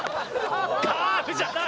カーブじゃない！